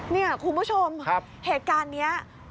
นี่คุณผู้ชมเหตุการณ์นี้